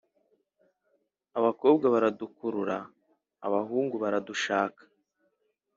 “abakobwa baradukurura, abahungu baradushaka.”